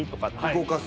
動かす。